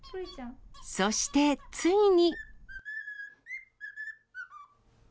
そしてついに。